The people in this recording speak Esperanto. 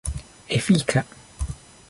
efika